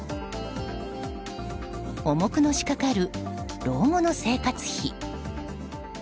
重くのしかかる、老後の生活費。